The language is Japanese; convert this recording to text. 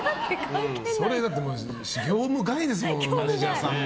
だって、業務外ですもんマネジャーさんも。